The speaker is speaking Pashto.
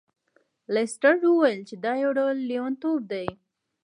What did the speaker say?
لیسټرډ وویل چې دا یو ډول لیونتوب دی.